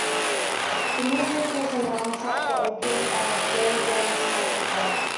The new group was announced at the opening of Billy Berg's Supper Club.